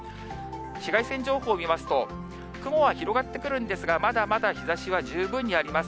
紫外線情報を見ますと、雲は広がってくるんですが、まだまだ日ざしは十分にあります。